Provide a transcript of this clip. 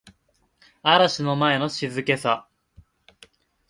嵐の前の静けさ